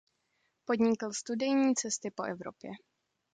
Podnikl studijní cesty po Evropě.